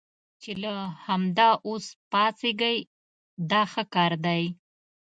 چې له همدا اوس پاڅېږئ دا ښه کار دی.